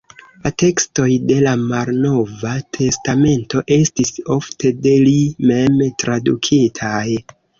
La tekstoj de la Malnova Testamento estis ofte de li mem tradukitaj.